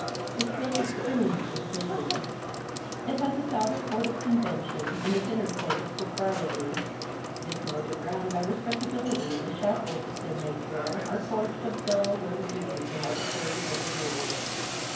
It is built of prunes and prisms; it has its outer court of convention, and its inner court of propriety; it is moated round by respectability, and the shackles its inmates wear are forged of dull little duties and arbitrary little rules.